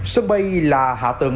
sân bay là hạ tường